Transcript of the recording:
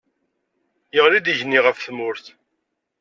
Yeɣli-d igenni ɣef tmurt.